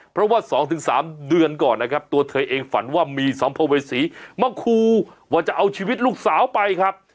เพราะว่า๒๓เดือนก่อนนะครับตัวเธอเองฝันว่ามีสัมภเวษีมาคูว่าจะเอาชีวิตลูกสาวไปครับ